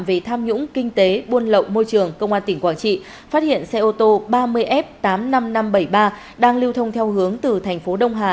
về tham nhũng kinh tế buôn lậu môi trường công an tỉnh quảng trị phát hiện xe ô tô ba mươi f tám mươi năm nghìn năm trăm bảy mươi ba đang lưu thông theo hướng từ thành phố đông hà